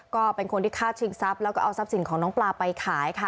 ก็เป็นคนที่ฆ่าชิงทรัพย์แล้วก็เอาทรัพย์สินของน้องปลาไปขายค่ะ